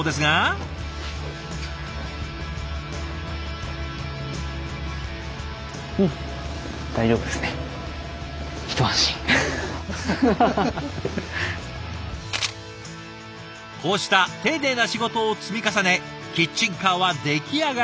こうした丁寧な仕事を積み重ねキッチンカーは出来上がります。